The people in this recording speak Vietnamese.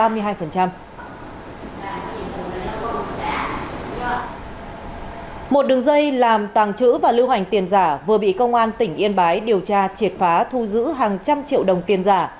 một đường dây làm tàng trữ và lưu hành tiền giả vừa bị công an tỉnh yên bái điều tra triệt phá thu giữ hàng trăm triệu đồng tiền giả